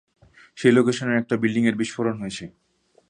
সেই লোকেশনে একটা বিল্ডিংয়ে বিস্ফোরণ হয়েছে।